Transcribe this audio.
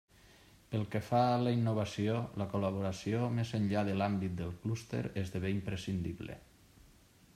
Pel que fa a la innovació, la col·laboració més enllà de l'àmbit del clúster esdevé imprescindible.